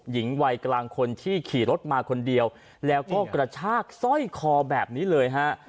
หญิงวัยกลางคนที่ขี่รถมาคนเดียวแล้วก็กระชากสร้อยคอแบบนี้เลยฮะ